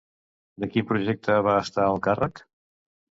De quin projecte va estar al càrrec?